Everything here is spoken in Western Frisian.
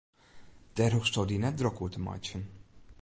Dêr hoechsto dy net drok oer te meitsjen.